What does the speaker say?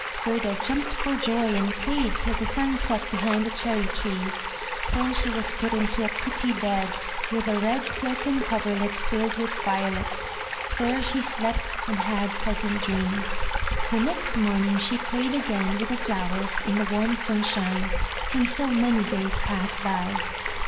Gerda jumped for joy, and played till the sun set behind the cherry trees. Then she was put into a pretty bed, with a red silken coverlet filled with violets. There she slept and had pleasant dreams. The next morning she played again with the flowers in the warm sunshine, and so many days passed by.